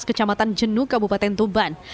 kecamatan jenu kabupaten tuban